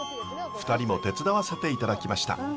２人も手伝わせていただきました。